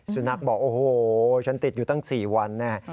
สุนัขบอกโอ้โหฉันติดอยู่ตั้ง๔วันแน่